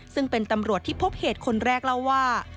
ซึ่งเป็นตำรวจที่พบเหตุคนแรกเล่าว่า